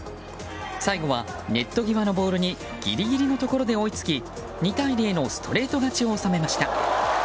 最後はネット際のボールにギリギリのところで追いつき２対０のストレート勝ちを収めました。